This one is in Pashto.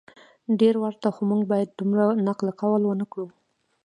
ډیر ورته خو موږ باید دومره نقل قول ونه کړو